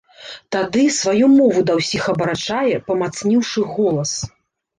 Тады сваю мову да ўсіх абарачае, памацніўшы голас.